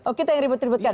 oh kita yang ribet ribetkan